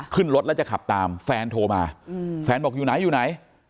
ขึ้นรถแล้วจะขับตามแฟนโทรมาแฟนบอกอยู่ไหนอยู่ไหน